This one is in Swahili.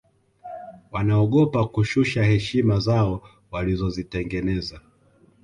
wanaogopa kushusha heshima zao walizozitengeneza